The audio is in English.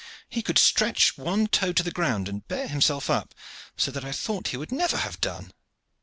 "He could stretch one toe to the ground and bear himself up, so that I thought he would never have done.